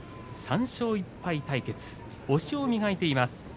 ３勝１敗対決、押しを磨いています